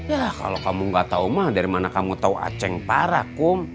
ya kalau kamu gak tahu mah dari mana kamu tahu aceh parah kum